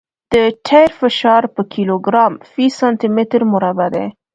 د ټیر فشار په کیلوګرام فی سانتي متر مربع دی